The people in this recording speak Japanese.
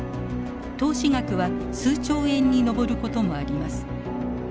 投資額は数兆円に上ることもあります。